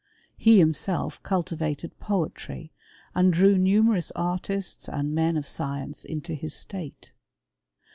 He himself cultivated poetry and drew munerous artists and men of science into his state.